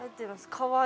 かわいい。